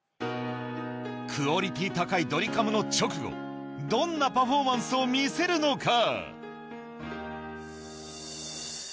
クオリティー高いドリカムの直後どんなパフォーマンスを見せるのか？